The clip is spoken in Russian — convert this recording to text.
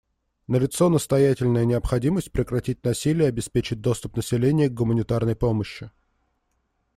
Налицо настоятельная необходимость прекратить насилие и обеспечить доступ населения к гуманитарной помощи.